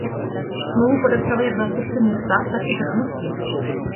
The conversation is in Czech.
Smlouvu podepsali jak zástupci města tak i vrchnosti.